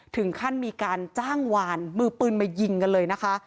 ถึงขั้นมีการจ้างวานมือปืนมายิงกันเลยนะคะ